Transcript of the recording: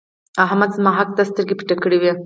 احمد زما حق ته سترګې پټې کړې وې.